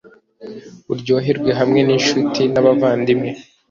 uryoherwe hamwe n’inshuti n’abavandimwe